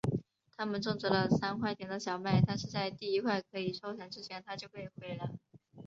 他们种植了三块田的小麦但是在第一块可以收成之前它就被毁了。